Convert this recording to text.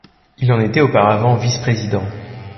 Il en était auparavant vice-président.